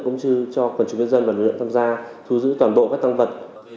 cũng như cho phần chủ nhân dân và lực lượng tham gia thu giữ toàn bộ các tăng vật